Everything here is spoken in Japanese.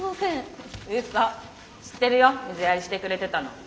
知ってるよ水やりしてくれてたの。